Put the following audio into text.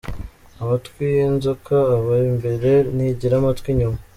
Amatwi y’inzoka aba imbere, ntigira amatwi inyuma.